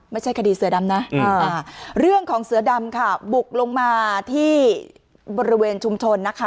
ไม่ใช่คดีเสือดำนะเรื่องของเสือดำค่ะบุกลงมาที่บริเวณชุมชนนะคะ